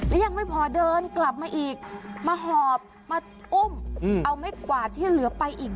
และยังไม่พอเดินกลับมาอีกมาหอบมาอุ้มเอาไม้กวาดที่เหลือไปอีก